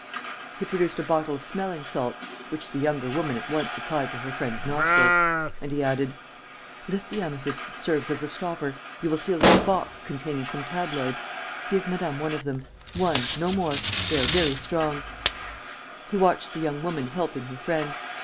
He produced a bottle of smelling salts, which the younger woman at once applied to her friend's nostrils. And he added: "Lift the amethyst that serves as a stopper. ... You will see a little box containing some tabloids. Give madame one of them ... one, no more ... they are very strong. ..." He watched the young woman helping her friend.